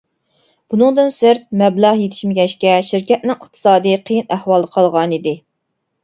بۇنىڭدىن سىرت، مەبلەغ يېتىشمىگەچكە، شىركەتنىڭ ئىقتىسادى قىيىن ئەھۋالدا قالغانىدى.